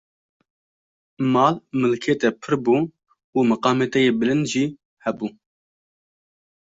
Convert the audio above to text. mal, milkê te pir bû û meqamê te yê bilind jî hebû.